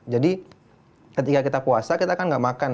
jadi ketika kita puasa kita kan nggak makan